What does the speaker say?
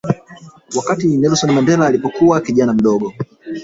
Wakati Nelson Mandela alipokuwa kijana mdogo